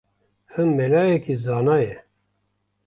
Him melayekî zana ye